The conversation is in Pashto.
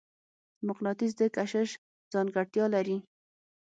مقناطیس د کشش ځانګړتیا لري.